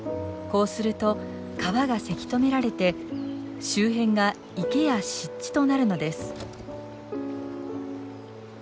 こうすると川がせき止められて周辺が池や湿地となるのです。